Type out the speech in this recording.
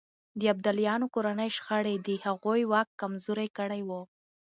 د ابدالیانو کورنۍ شخړې د هغوی واک کمزوری کړی و.